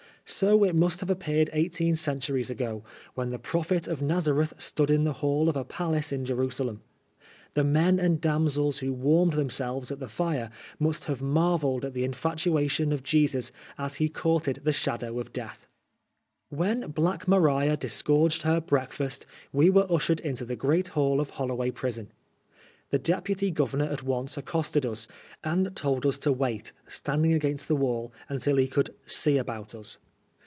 So it must have appeared eighteen cen turies ago, when the Prophet of Nazareth stood in the hall of a palace in Jerusalem. The men and damsels who warmed themselves at the fire must have marvelled biaACk mabu." lis at the infatuation of Jesus as he oonrted the shadow of death. When Black Maria'* disgorged her breakfast, we were ushered into the great hall of Holloway prison. The Deputy Goyemor at once accosted us, and told ns to wait, standing against the wall, until he could see about us.'